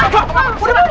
pak pak pak